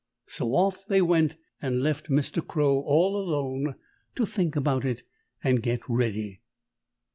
So off they went and left Mr. Crow all alone to think about it and get ready.